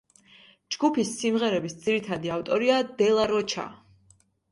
ჯგუფის სიმღერების ძირითადი ავტორია დე ლა როჩა.